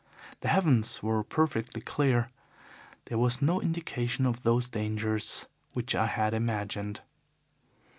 The heavens were perfectly clear; there was no indication of those dangers which I had imagined.